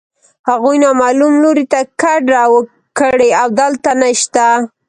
هغوی نامعلوم لوري ته کډه کړې او دلته نشته